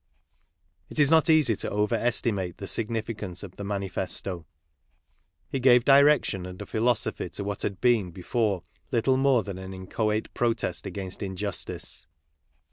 : It is not easy to over estimate the significance of the ; Manifesto. It gave direction and a philosophy to what : had been before little more than an inchoate protest against injustice.